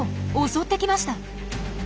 襲ってきました。